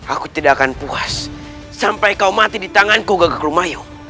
aku tidak akan puas sampai kau mati di tanganku gagak rumah yuk